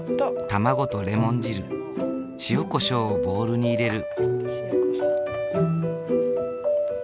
卵とレモン汁塩こしょうをボウルに入れる。